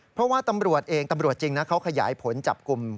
เพราะว่าตำรวจเองตำรวจจริงนะเขาขยายผลจับกลุ่ม